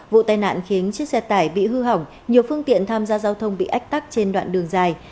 vụ tai nạn khiến chiếc xe tải bị hư hỏng nhiều phương tiện tham gia giao thông bị ách tắc trên đoạn đường dài